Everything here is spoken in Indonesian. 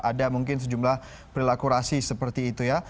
ada mungkin sejumlah perilaku rasis seperti itu ya